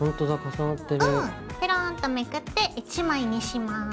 ぺろんとめくって１枚にします。